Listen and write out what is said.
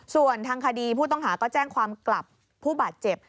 ส่วนทางคดีผู้ต้องหาก็แจ้งความกลับผู้บาดเจ็บ